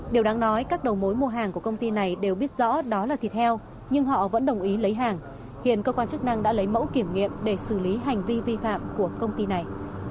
điều đáng nói các đầu mối mua hàng của công ty này đều biết rõ đó là thịt heo nhưng họ vẫn đồng ý lấy hàng hiện cơ quan chức năng đã lấy mẫu kiểm nghiệm để xử lý hành vi vi phạm của công ty này